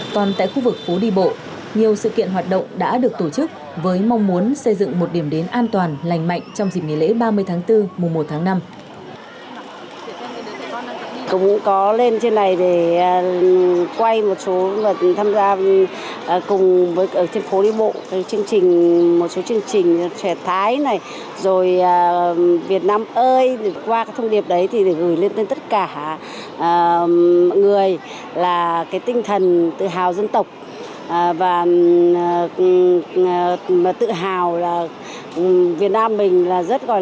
còn tại khu vực phú đi bộ nhiều sự kiện hoạt động đã được tổ chức với mong muốn xây dựng một điểm đến an toàn lành mạnh trong dịp nghỉ lễ ba mươi tháng bốn mùa một tháng năm